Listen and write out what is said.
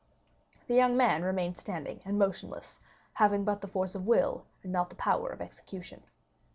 The young man remained standing and motionless, having but the force of will and not the power of execution.